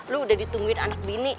lo udah ditungguin anak bini